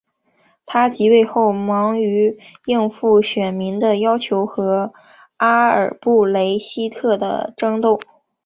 他即位后忙于应付选民的要求和阿尔布雷希特的争斗。